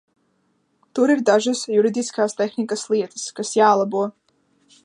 Tur ir dažas juridiskās tehnikas lietas, kas jālabo.